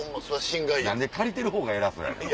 何で借りてるほうが偉そうやねん。